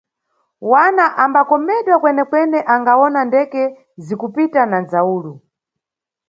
Wana ambakomedwa kwenekwene angawona ndeke zikupita na nʼdzawulu.